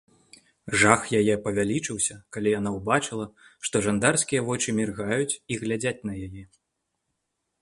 Жах яе павялічыўся, калі яна ўбачыла, што жандарскія вочы міргаюць і глядзяць на яе.